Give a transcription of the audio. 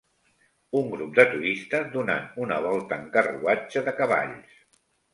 Un grup de turistes donant una volta en carruatge de cavalls